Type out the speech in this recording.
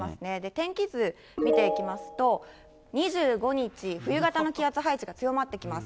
天気図見ていきますと、２５日、冬型の気圧配置が強まってきます。